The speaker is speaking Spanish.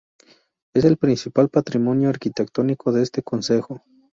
Es el principal patrimonio arquitectónico de este concejo.